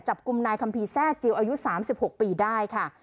จับกลุ่มนายคัมภีร์แทร่จิลอายุ๓๖ปีได้ค่ะ